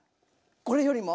これよりも？